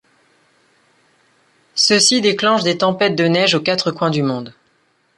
Ceux-ci déclenchent des tempêtes de neige aux quatre coins du monde.